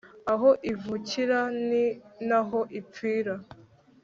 aho ivukira ni naho ipfira